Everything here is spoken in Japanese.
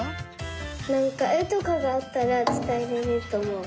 なんかえとかがあったらつたえられるとおもう。